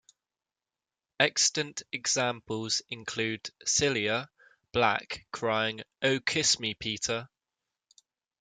Extant examples include Cilla Black crying 'Oh, kiss me, Peter!